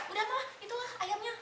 udah pak itulah ayamnya